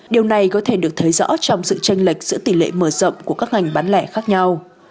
điều này có thể được thấy rõ trong sự tranh lệch giữa tỷ lệ mở rộng của các ngành bán lẻ khác nhau